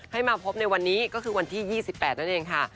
ให้มาพบในวันนี้ก็คือวันที่๒๘นั่นเองค่ะ